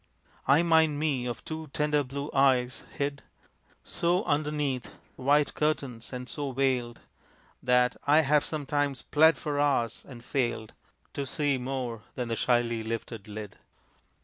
(I mind me of two tender blue eyes, hid So underneath white curtains, and so veiled That I have sometimes plead for hours, and failed To see more than the shyly lifted lid.)